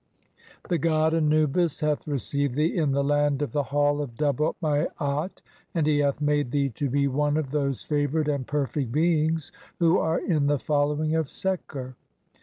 The god "Anubis hath received thee in the land of the Hall "of Double Maat, and he hath made thee to be one "of those favoured and perfect beings who are in the "following of Seker.